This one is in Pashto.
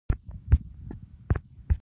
لکه مور چې پر اولاد وي مهربانه